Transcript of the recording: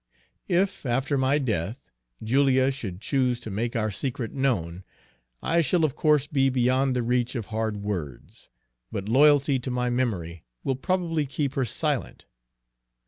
If, after my death, Julia should choose to make our secret known, I shall of course be beyond the reach of hard words; but loyalty to my memory will probably keep her silent.